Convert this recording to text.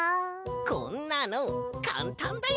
こんなのかんたんだよ！